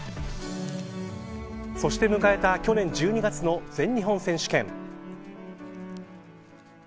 そして迎えた去年１２月の全日本選手権。